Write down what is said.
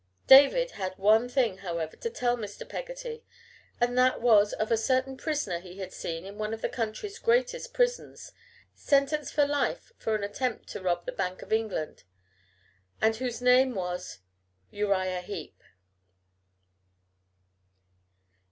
David had one thing, however, to tell Mr. Peggotty, and that was of a certain prisoner he had seen in one of the country's greatest prisons, sentenced for life for an attempt to rob the Bank of England, and whose name was Uriah Heep.